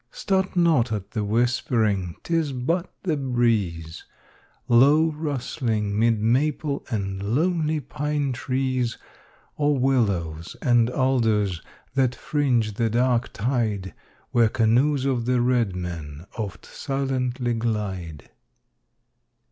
Start not at the whispering, 'tis but the breeze, Low rustling, 'mid maple and lonely pine trees, Or willows and alders that fringe the dark tide Where canoes of the red men oft silently glide.